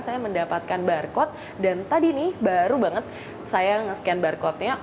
saya mendapatkan barcode dan tadi nih baru banget saya nge scan barcode nya